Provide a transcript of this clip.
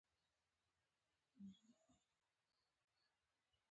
دا درد د اړیکې غوښتنه کوي.